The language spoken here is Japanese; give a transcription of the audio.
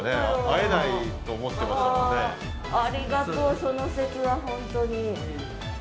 ありがとうその節は本当に。